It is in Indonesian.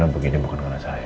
ren begini bukan karena saya